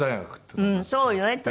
うんそうよね。